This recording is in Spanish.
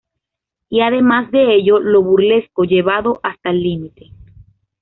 Y además de ello lo burlesco llevado hasta el límite.